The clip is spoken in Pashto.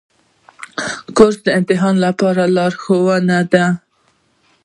کورس د امتحان لپاره لارښود دی.